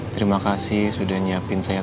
terima kasih sudah nyiapin saya